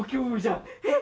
えっ！